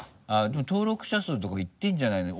でも登録者数とかいってるんじゃないの？